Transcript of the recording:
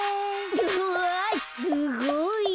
うわすごい。